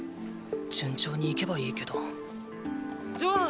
順調にいけばいいけどジョアン！